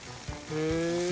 へえ。